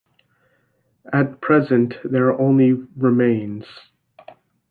At present, there are only remains.